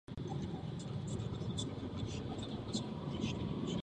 Prsní ploutve jsou dlouhé a dosahují úrovně konce první hřbetní ploutve.